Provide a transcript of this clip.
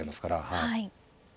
はい。